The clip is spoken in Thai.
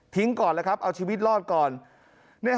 ทิ้งก่อนแหละครับเอาชีวิตรอดก่อน